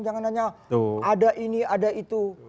jangan hanya ada ini ada itu